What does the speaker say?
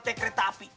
teh kereta api